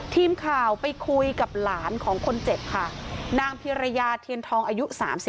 ทีมข่าวไปคุยกับหลานของคนเจ็บค่ะนางพิรยาเทียนทองอายุ๓๒